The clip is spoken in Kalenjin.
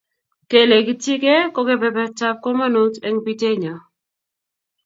Kelegityigei ko kebebertab komonut eng pitenyo.